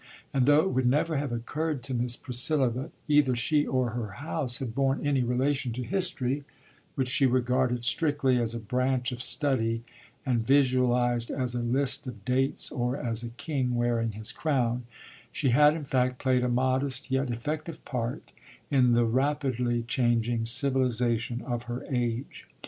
And though it would never have occurred to Miss Priscilla that either she or her house had borne any relation to history (which she regarded strictly as a branch of study and visualized as a list of dates or as a king wearing his crown), she had, in fact, played a modest yet effective part in the rapidly changing civilization of her age.